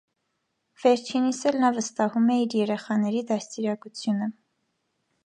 Վերջինիս էլ նա վստահում է իր երեխաների դաստիարակությունը։